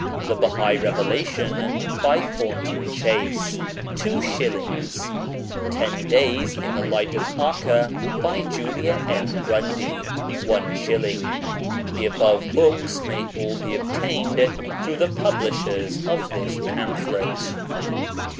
The Bahai Revelation by Thornton Chase. 2s. Ten Days in the Light of Acca by Julia M. Grundy. Is. The above books may all be obtained through the Publishers of this pamphlet.